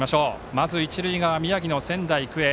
まず、一塁側、宮城の仙台育英。